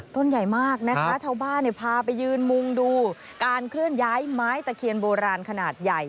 ต้นใหญ่มากนะคะชาวบ้านพาไปยืนมุงดูการเคลื่อนย้ายไม้ตะเคียนโบราณขนาดใหญ่